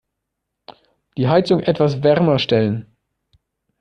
Die Heizung etwas wärmer stellen.